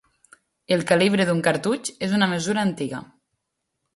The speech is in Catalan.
El calibre d'un cartutx és una mesura antiga.